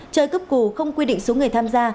chơi cấp cù không quy định số người tham gia